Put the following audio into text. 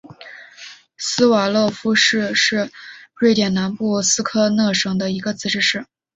斯瓦勒夫市是瑞典南部斯科讷省的一个自治市。